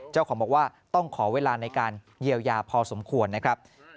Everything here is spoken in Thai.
เจ้าของบอกว่าต้องขอเวลาในการเยียวยาพอสมควรนะครับ